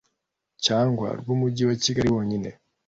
cyangwa rw Umujyi wa Kigali wonyine